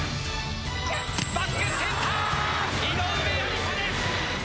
バックセンター井上愛里沙です。